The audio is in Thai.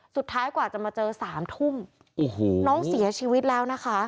สุดท้ายกว่าจะมาเจอสามทุ่มโอ้โหน้องเสียชีวิตแล้วนะคะ